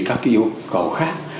các cái yêu cầu khác